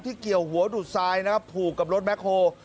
เกี่ยวหัวดูดทรายนะครับผูกกับรถแคคโฮล